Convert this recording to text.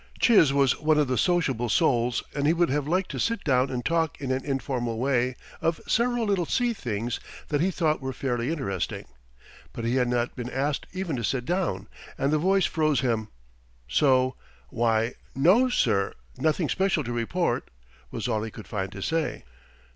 Chiz was one of the sociable souls, and he would have liked to sit down and talk in an informal way of several little sea things that he thought were fairly interesting. But he had not been asked even to sit down, and the voice froze him. So, "Why, no sir, nothing special to report," was all he could find to say.